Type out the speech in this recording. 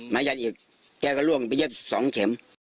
ไม้หยั่นอีกแก้ก็ร่วงไปเย็บ๒เข็ม